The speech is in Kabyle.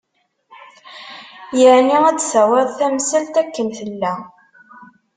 Yeεni ad d-tawiḍ tamsalt akken tella.